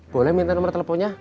boleh minta nomor teleponnya